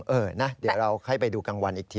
เออนะเดี๋ยวเราให้ไปดูกลางวันอีกที